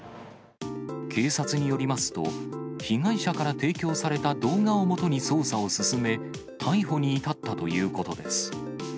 警察によりますと、被害者から提供された動画をもとに捜査を進め、逮捕に至ったということです。